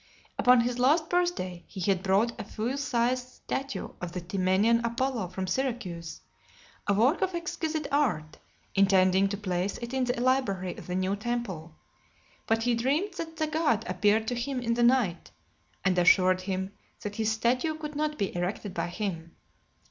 LXXIV. Upon his last birth day, he had brought a full sized statue of the Timenian Apollo from Syracuse, a work of exquisite art, intending to place it in the library of the new temple ; but he dreamt that the god appeared to him in the night, and assured him "that his statue could not be erected by him."